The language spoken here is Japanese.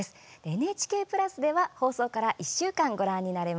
ＮＨＫプラスでは放送から１週間ご覧になれます。